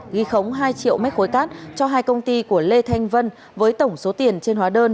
ghi khống hai triệu mét khối cát cho hai công ty của lê thanh vân với tổng số tiền trên hóa đơn